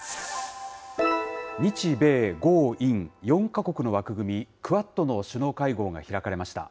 日米豪印４か国の枠組み、クアッドの首脳会合が開かれました。